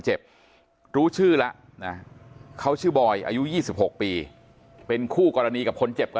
เจ็บรู้ชื่อแล้วนะเขาชื่อบอยอายุ๒๖ปีเป็นคู่กรณีกับคนเจ็บก็